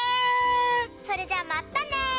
それじゃあまったね！